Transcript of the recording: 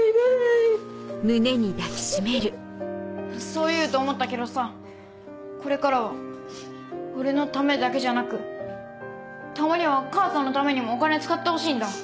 そう言うと思ったけどさこれからは俺のためだけじゃなくたまには母さんのためにもお金使ってほしいんだ。